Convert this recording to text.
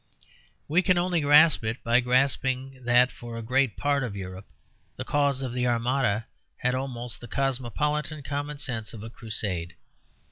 We can only grasp it by grasping that for a great part of Europe the cause of the Armada had almost the cosmopolitan common sense of a crusade.